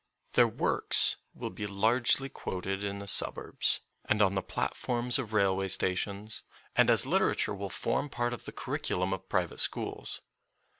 Their works will be largely quoted in the suburbs and on the platforms of rail way stations, and as literature will form part of the curriculum of private schools.